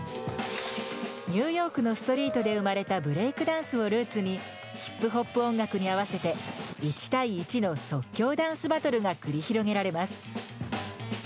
ニューヨークのストリートで生まれたブレイクダンスをルーツにヒップホップ音楽に合わせて１対１の即興ダンスバトルが繰り広げられます。